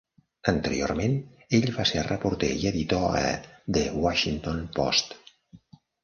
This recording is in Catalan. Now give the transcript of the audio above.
Anteriorment, ell va ser reporter i editor a "The Washington Post".